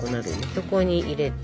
そこに入れて。